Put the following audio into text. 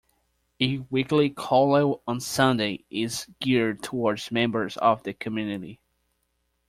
A weekly Kollel on Sunday is geared towards members of the community.